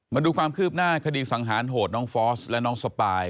มาดูความคืบหน้าคดีสังหารโหดน้องฟอสและน้องสปาย